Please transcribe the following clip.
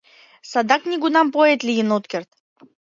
Садак нигунам поэт лийын от керт.